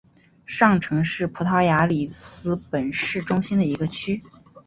上城是葡萄牙里斯本市中心的一个区。